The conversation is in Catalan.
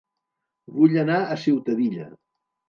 Vull anar a Ciutadilla